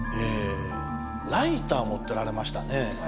ライター持ってられましたね。